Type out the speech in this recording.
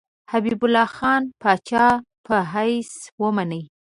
حبیب الله خان پاچا په حیث ومني.